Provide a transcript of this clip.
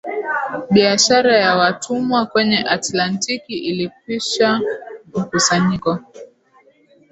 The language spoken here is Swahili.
biashara ya watumwa kwenye Atlantiki ilikwish mkusanyiko